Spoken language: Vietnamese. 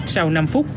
sau năm phút